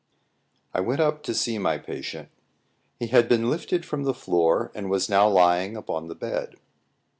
I went up to see my patient. He had been lifted from the floor, and was now lying upon the bed.